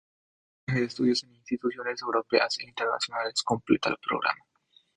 Un viaje de estudios en instituciones europeas e internacionales, completa el programa.